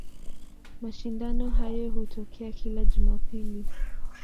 Mashindano hayo hutokea kila Jumapili.